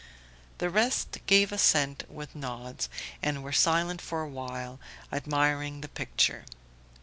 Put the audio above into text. The rest gave assent with nods, and were silent for a while, admiring the picture.